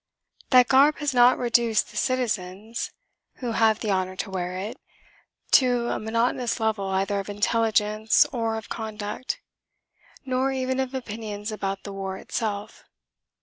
That garb has not reduced the citizens, who have the honour to wear it, to a monotonous level either of intelligence or of conduct: nor even of opinions about the war itself.